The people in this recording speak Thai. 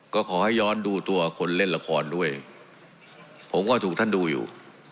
ก็ขอให้ย้อนดูตัวคนเล่นละครด้วยผมก็ถูกท่านดูอยู่